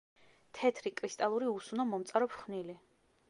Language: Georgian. თეთრი კრისტალური, უსუნო, მომწარო ფხვნილი.